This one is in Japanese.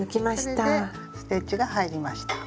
それでステッチが入りました。